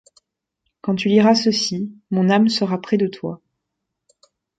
Quand tu liras ceci, mon âme sera près de toi.